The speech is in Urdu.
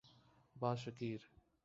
باشکیر